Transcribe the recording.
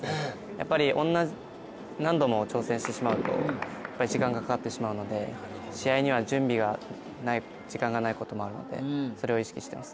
やっぱり何度も挑戦してしまうと時間がかかってしまうので試合には準備の時間がないこともあるのでそれを意識しています。